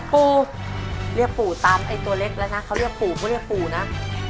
ปู่เรียกปู่ตามไอ้ตัวเล็กแล้วนะเขาเรียกปู่เขาเรียกปู่นะ